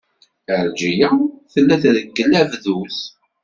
Ɛelǧiya tella treggel abduz.